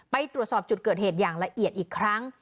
ไปตรวจสอบจุดเกิดเหตุอย่างละเอียดอีกครั้ง